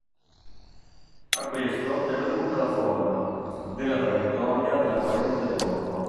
A questo è dovuta la forma della traiettoria della corrente del Golfo.